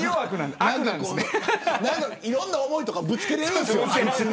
いろんな思いとかぶつけれるんですよ。